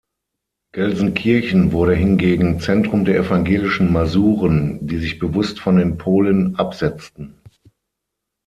Gelsenkirchen wurde hingegen Zentrum der evangelischen Masuren, die sich bewusst von den Polen absetzten.